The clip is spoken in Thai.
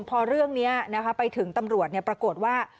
พอเรื่องนี้ไปถึงตำรวจปรากฏว่า